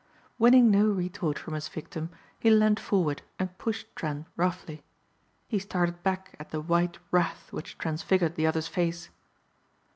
Winning no retort from his victim he leaned forward and pushed Trent roughly. He started back at the white wrath which transfigured the other's face.